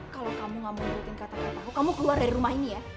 kalau kamu gak mau bikin kata kata aku kamu keluar dari rumah ini ya